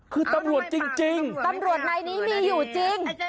คือตำรวจจริงตำรวจนายนี้มีอยู่จริง